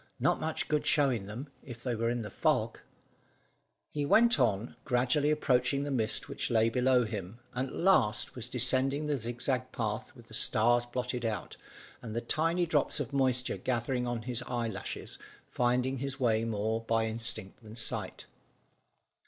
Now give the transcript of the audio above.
"Not much good showing them, if they were in the fog." He went on, gradually approaching the mist which lay below him, and at last was descending the zigzag path with the stars blotted out, and the tiny drops of moisture gathering on his eyelashes, finding his way more by instinct than sight.